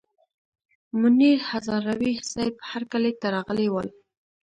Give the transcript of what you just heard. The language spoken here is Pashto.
منیر هزاروي صیب هرکلي ته راغلي ول.